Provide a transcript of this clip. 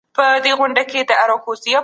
سفر اوږد دی.